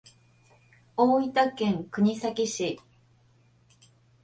大分県国東市